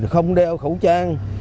không đeo khẩu trang